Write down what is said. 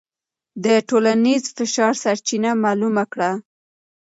د ټولنیز فشار سرچینه معلومه کړه.